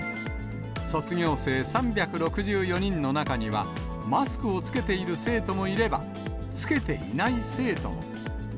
卒業生３６４人の中には、マスクを着けている生徒もいれば、着けていない生徒も。